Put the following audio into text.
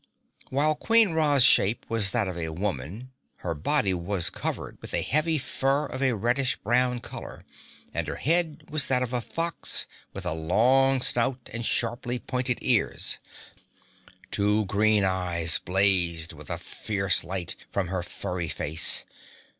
While Queen Ra's shape was that of a woman, her body was covered with a heavy fur of a reddish brown color, and her head was that of a fox with a long snout and sharply pointed ears. Two green eyes blazed with a fierce light from her furry face.